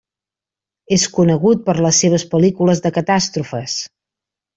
És conegut per les seves pel·lícules de catàstrofes.